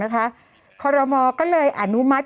นะคะโครมออก็เลยอนุมัติ